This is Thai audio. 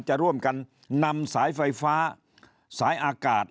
จะร่วมกันนำสายไฟฟ้าสายอากาศ